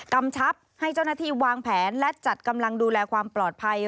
กำชับให้เจ้าหน้าที่วางแผนและจัดกำลังดูแลความปลอดภัย